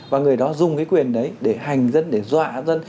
và người đó dùng cái quyền đấy để hành dân để dọa dân